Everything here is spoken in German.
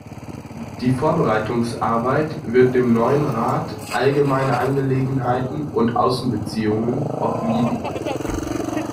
Die Vorbereitungsarbeit wird dem neuen Rat 'Allgemeine Angelegenheiten und Außenbeziehungen' obliegen.